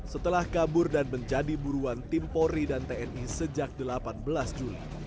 setelah kabur dan menjadi buruan tim pori dan tni sejak delapan belas juli